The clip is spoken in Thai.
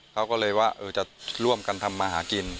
เขาก็เลยว่าจะร่วมกันทำมาหากิน